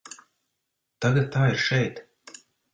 Tagad tā ir šeit.